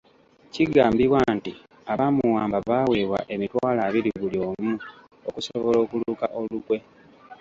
Kigambibwa nti abaamuwamba baaweebwa emitwalo abiri buli omu okusobola okuluka olukwe luno.